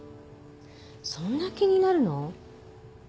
そんな気になるの？